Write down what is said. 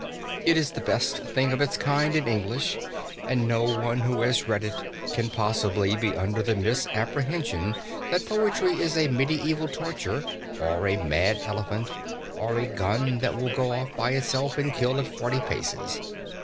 It is the best thing of its kind in English, and no one who has read it can possibly be under the misapprehension that poetry is a mediaeval torture, or a mad elephant, or a gun that will go off by itself and kill at forty paces.